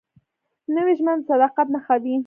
نوې ژمنه د صداقت نښه وي